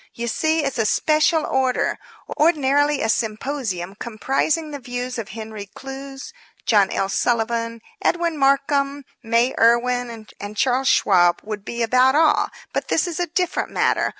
You see, it's a special order. Ordinarily a symposium comprising the views of Henry Clews, John L. Sullivan, Edwin Markham, May Irwin and Charles Schwab would be about all. But this is a different matter.